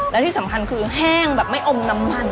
และที่สำคัญคือแห้งแบบไม่อมน้ำมัน